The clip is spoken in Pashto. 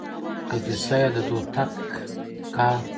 که کيسه يې د دوتک کا